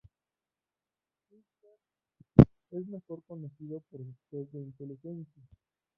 Wechsler, es mejor conocido por sus tests de inteligencia.